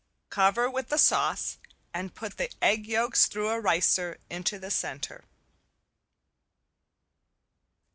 Cover with the sauce and put the egg yolks through a ricer into the center.